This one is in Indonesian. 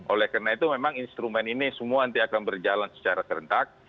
oleh karena itu memang instrumen ini semua nanti akan berjalan secara serentak